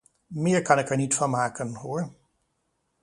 Meer kan ik er niet van maken, hoor.